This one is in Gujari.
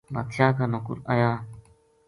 بادشاہ کا نوکر آیا